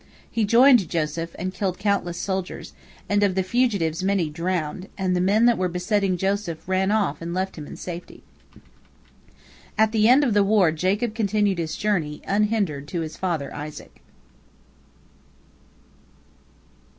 He joined Joseph, and killed countless soldiers, and of the fugitives many drowned, and the men that were besetting Joseph ran off and left him in safety. At the end of the war Jacob continued his journey, unhindered, to his father Isaac.